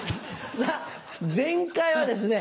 さぁ前回はですね